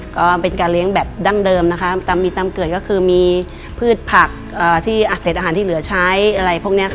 ก็เป็นการเลี้ยงแบบดั้งเดิมนะคะมีตามเกิดก็คือมีพืชผักที่เสร็จอาหารที่เหลือใช้อะไรพวกนี้ค่ะ